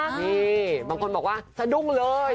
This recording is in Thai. นี่บางคนบอกว่าสะดุ้งเลย